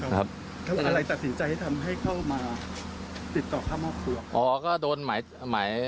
ทำอะไรตัดสินใจให้ทำให้เขามาติดต่อค่ามอบตัว